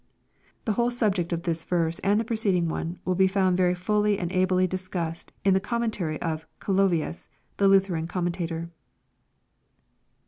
The whole subject of this verse and the preceding one will be found very fuUy and ably discussed in the Commentary of Calov ius, the Lutheran commentator.